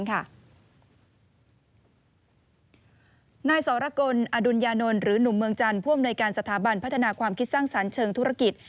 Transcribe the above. นายสรกลอดุญญานนท์หรือหนุ่มเมืองจันทร์ผู้อำนวยการสถาบันพัฒนาความคิดสร้างสรรค์เชิงธุรกิจ